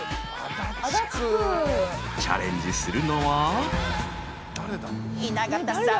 ［チャレンジするのは］